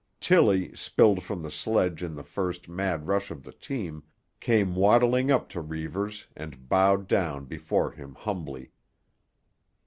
Tillie, spilled from the sledge in the first mad rush of the team, came waddling up to Reivers and bowed down before him humbly.